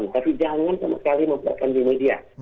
tapi jangan sekali memperlihatkan di media